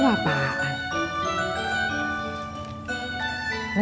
nggak ada cabenya mak